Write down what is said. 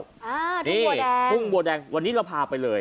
อ่าถุงบัวแดงนี่ถุงบัวแดงวันนี้เราพาไปเลย